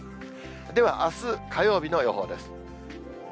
では、あす火曜日の予報です。